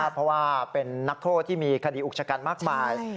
เพราะว่าเป็นนักโทษที่มีคดีอุกชะกันมากมาย